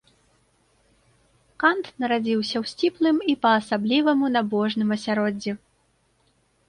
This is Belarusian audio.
Кант нарадзіўся ў сціплым і па-асабліваму набожным асяроддзі.